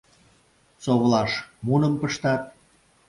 Совлаш муным пыштат.